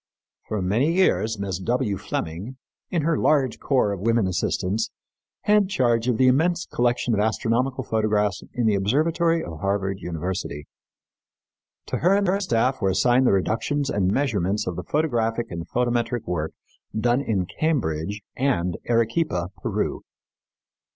For many years Mrs. W. Fleming, with her large corps of women assistants, had charge of the immense collection of astronomical photographs in the Observatory of Harvard University. To her and her staff were assigned the reductions and measurements of the photographic and photometric work done in Cambridge and Arequipa, Peru.